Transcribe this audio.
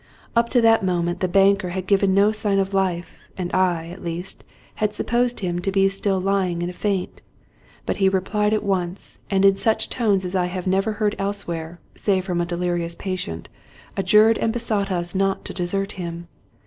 Up to that moment the banker had given no sign of life, and I, at least, had supposed him to be still lying in a faint; but he replied at once, and in such tones as I have never heard elsewhere, save from a delirious patient, adjured and besought us not to desert him.